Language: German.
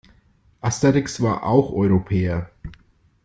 Asterix war auch Europäer.